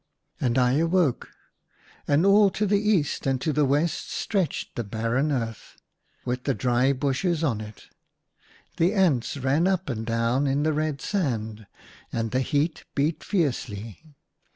And I awoke : and all to the east and to the west stretched the barren earth, with the dry bushes on it. The ants ran up and down in the red sand, and the heat beat fiercely.